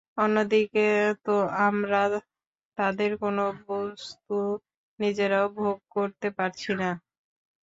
অন্যদিকে আমরা তাদের কোন বস্তু নিজেরাও ভোগ করতে পারছি না।